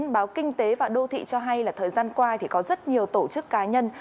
báo kinh tế và đô thị cho hay là thời gian qua thì có rất nhiều tổ chức cá nhân